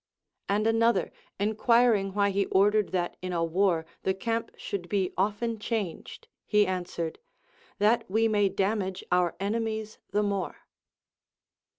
And an other enquiring why he ordered that in a Avar the camp should be often changed, he answered, That we may damage our enemies the more.